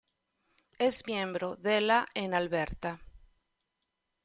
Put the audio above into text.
Es miembro de la en Alberta.